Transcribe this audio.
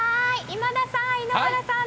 今田さん